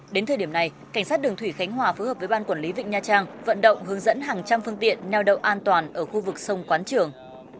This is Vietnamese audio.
đến thời điểm này cảnh sát đường thủy khánh hòa phối hợp với ban quản lý vịnh nha trang vận động hướng dẫn hàng trăm phương tiện neo đậu an toàn ở khu vực sông quán trường